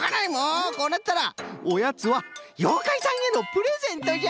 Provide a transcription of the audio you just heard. こうなったらおやつはようかいさんへのプレゼントじゃ！